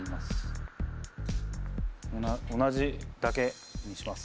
同じだけにします。